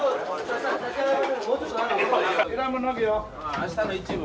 明日の一部。